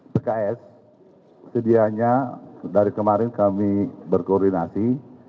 pks sedianya dari kemarin kami berkoordinasi